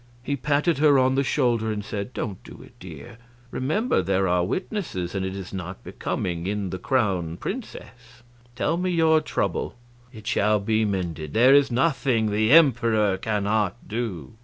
He patted her on the shoulder and said: "Don't do it, dear; remember, there are witnesses, and it is not becoming in the Crown Princess. Tell me your trouble it shall be mended; there is nothing the Emperor cannot do."